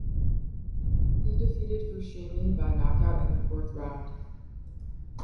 He defeated Fushimi by knockout in the fourth round.